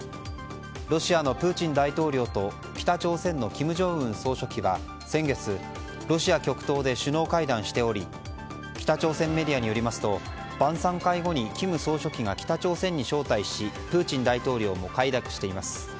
ロシアのプーチン大統領と北朝鮮の金正恩総書記は先月、ロシア極東で首脳会談しており北朝鮮メディアによりますと晩さん会後に金総書記が北朝鮮に招待しプーチン大統領も快諾しています。